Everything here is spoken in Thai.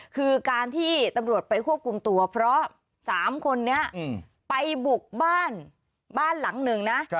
คือการที่ตำรวจไปควบคุมตัวเพราะ๓คนนี้ไปบุกบ้านบ้านหลังหนึ่งนะ